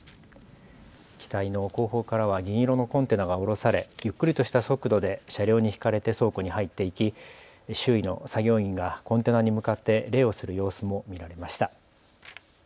機体の後方からは銀色のコンテナがおろされ、ゆっくりとした速度で車両に引かれて倉庫に入っていき周囲の作業員がコンテナに向かって礼をする様子も見られました。